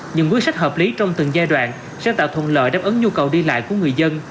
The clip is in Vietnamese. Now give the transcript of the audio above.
những quyết sách hợp lý trong từng giai đoạn sẽ tạo thuận lợi đáp ứng nhu cầu đi lại của người dân